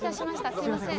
すみません。